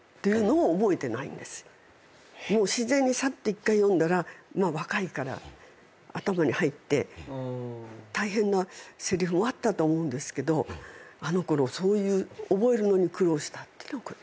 もう自然にさっと１回読んだら若いから頭に入って大変なせりふもあったと思うんですけどあのころそういう覚えるのに苦労したっていうのはないんです。